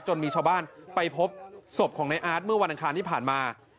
มีชาวบ้านไปพบศพของในอาร์ตเมื่อวันอังคารที่ผ่านมา